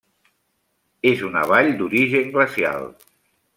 És una vall d'origen glacial.